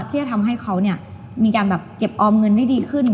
ที่จะทำให้เขามีการแบบเก็บออมเงินได้ดีขึ้น